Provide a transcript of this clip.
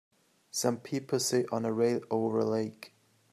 Some people sit on a rail over a lake.